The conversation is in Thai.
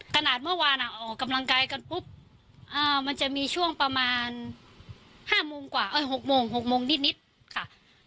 ขนาดเมื่อวานออกกำลังกายกันปุ๊บมันจะมีช่วงประมาณ๕โมงกว่า๖โมง๖โมงนิดค่ะ